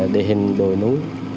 đề hình đồi núi